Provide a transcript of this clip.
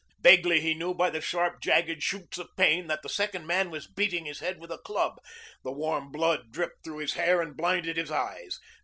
Vaguely he knew by the sharp, jagged shoots of pain that the second man was beating his head with a club. The warm blood dripped through his hair and blinded his eyes.